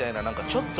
ちょっと。